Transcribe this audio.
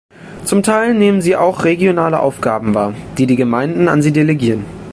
Zum Teil nehmen sie auch regionale Aufgaben wahr, die die Gemeinden an sie delegieren.